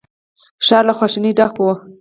ښار له خواشينۍ ډک و.